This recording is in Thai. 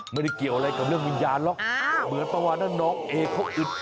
ไม่ได้เกี่ยวอะไรกับเรื่องวิญญาณหรอก